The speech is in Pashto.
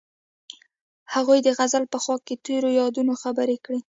هغوی د غزل په خوا کې تیرو یادونو خبرې کړې.